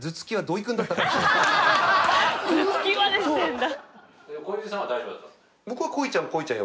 頭突きまでしてるんだ。